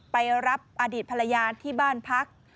ไปรับอดีตภรรยาที่บ้านพัก